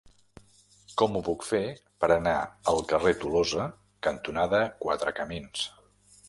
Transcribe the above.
Com ho puc fer per anar al carrer Tolosa cantonada Quatre Camins?